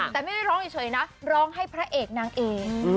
แต่ไม่ได้ร้องเฉยนะร้องให้พระเอกนางเอก